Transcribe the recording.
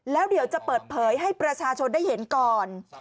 แล้วเดี๋ยวจะเปิดเผยให้ประชาชนได้เห็นก่อน